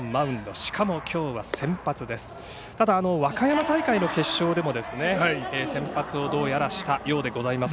しかし和歌山大会の決勝でも先発をしたようです。